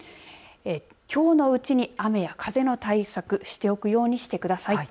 きょうのうちに雨や風の対策をしておくようにしてください。